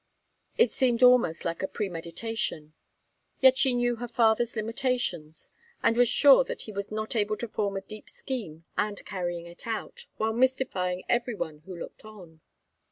It seemed almost like premeditation. Yet she knew her father's limitations, and was sure that he was not able to form a deep scheme and carry it out, while mystifying every one who looked on.